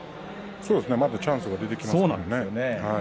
またチャンスが出てきますね。